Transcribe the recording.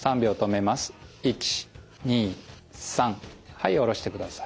はい下ろしてください。